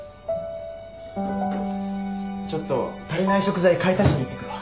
ちょっと足りない食材買い足しに行ってくるわ。